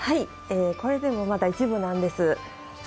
これでもまだ一部なんです。